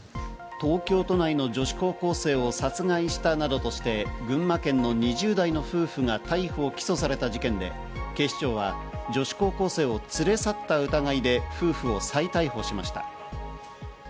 東京都内の女子高校生を殺害したなどとして群馬県の２０代の夫婦が逮捕・起訴された事件で、警視庁は女子高校生を連れ去った疑いで夫婦を再逮捕しました。